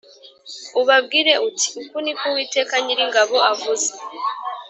ubabwire uti Uku ni ko Uwiteka Nyiringabo avuze